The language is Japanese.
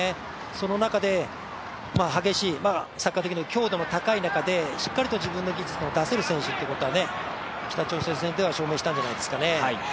その中で激しい、サッカー的には強度の高い中で、しっかりと自分の技術を出せる選手だっていうことはね、北朝鮮戦では証明したんじゃないですかね。